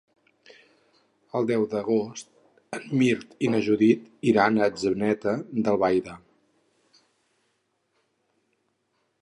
El deu d'agost en Mirt i na Judit iran a Atzeneta d'Albaida.